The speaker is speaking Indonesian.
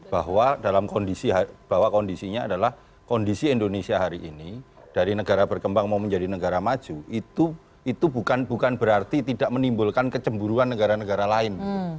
bahwa dalam kondisi bahwa kondisinya adalah kondisi indonesia hari ini dari negara berkembang mau menjadi negara maju itu bukan berarti tidak menimbulkan kecemburuan negara negara lain